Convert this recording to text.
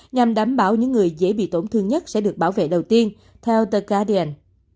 nhằm đảm bảo những người dễ bị tổn thương nhất sẽ được bảo vệ đầu tiên theo the guardian